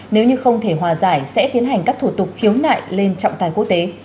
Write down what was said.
nếu như không thể hòa giải sẽ tiến hành các thủ tục khiếu nại lên trọng tài quốc tế